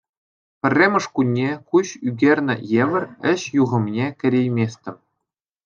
Пӗрремӗш кунне куҫ ӳкернӗ евӗр ӗҫ юхӑмне кӗрейместӗм.